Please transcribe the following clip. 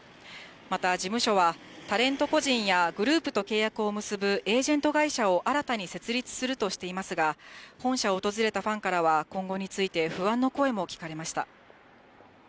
また、事務所は、タレント個人やグループと契約を結ぶエージェント会社を新たに設立するとしていますが、本社を訪れたファンからは、今後について、不安の声も聞かれました。